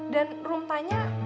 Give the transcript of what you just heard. dan rum tanya